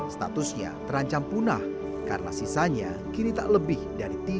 statusnya terancam punah karena sisanya kini tak lebih dari tiga puluh